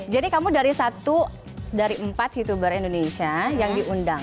jadi kamu dari satu dari empat youtuber indonesia yang diundang